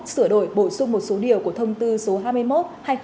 sửa đổi bổ sung một số điều của thông tư số hai mươi một hai nghìn một mươi ba